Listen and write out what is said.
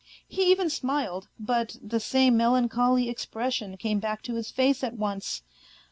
He even smiled, but the same melancholy expression came back to his face at once.